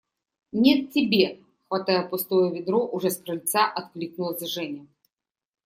– Нет, тебе! – хватая пустое ведро, уже с крыльца откликнулась Женя.